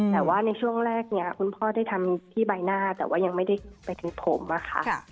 แต่ว่าในช่วงแรกเนี่ยคุณพ่อได้ทำที่ใบหน้าแต่ว่ายังไม่ได้ไปถึงผมอะค่ะ